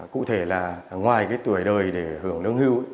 cụ thể là ngoài cái tuổi đời để hưởng lương hưu